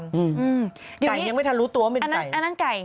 ไก่ยังไม่ทันรู้ตัวมันไก่